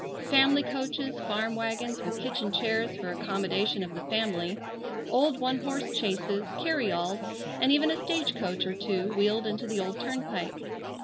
Family coaches, farm wagons, with kitchen chairs for accommodation of the family; old one horse chaises, carryalls, and even a stage coach or two wheeled into the old turnpike.